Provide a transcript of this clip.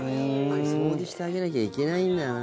掃除してあげなきゃいけないんだよな。